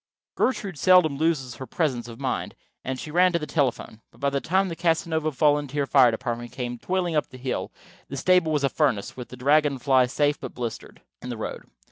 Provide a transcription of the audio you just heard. Gertrude seldom loses her presence of mind, and she ran to the telephone. But by the time the Casanova volunteer fire department came toiling up the hill the stable was a furnace, with the Dragon Fly safe but blistered, in the road.